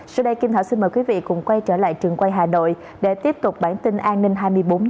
sau đây kim thảo xin mời quý vị cùng quay trở lại trường quay hà nội để tiếp tục bản tin an ninh hai mươi bốn h